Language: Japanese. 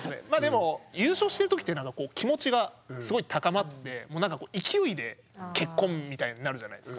優勝してる時ってなんかこう気持ちがすごい高まってもうなんか勢いで結婚みたいになるじゃないですか。